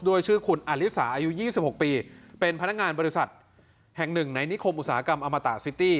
ชื่อคุณอลิสาอายุ๒๖ปีเป็นพนักงานบริษัทแห่งหนึ่งในนิคมอุตสาหกรรมอมตะซิตี้